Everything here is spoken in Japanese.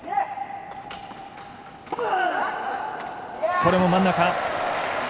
これも真ん中。